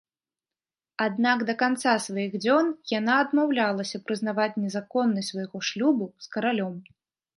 Аднак да канца сваіх дзён яна адмаўлялася прызнаваць незаконнасць свайго шлюбу з каралём.